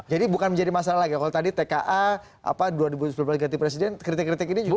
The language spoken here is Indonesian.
jadi bukan menjadi masalah lagi kalau tadi tka apa dua ribu sembilan belas ketika presiden kritik kritik ini juga